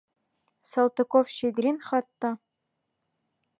Салтыков-Щедрин хатта...